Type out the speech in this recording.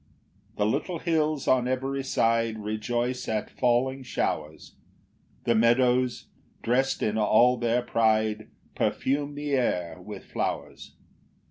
4 The little hills on every side Rejoice at falling showers; The meadows, drest in all their pride, Perfume the air with flowers.